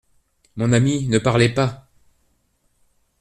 Mon ami, ne parlez pas.